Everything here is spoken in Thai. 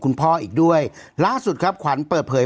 คุณพ่ออีกด้วยล่าสุดครับขวัญเปิดเผย